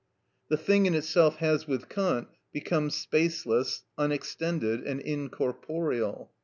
The thing in itself has with Kant become spaceless, unextended, and incorporeal.